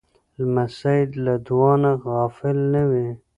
لمسی له دعا نه غافل نه وي.